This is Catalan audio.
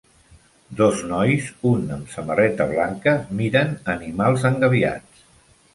Dos nois, un amb samarreta blanca, miren animals engabiats.